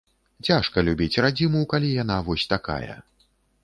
Цяжка любіць радзіму, калі яна вось такая.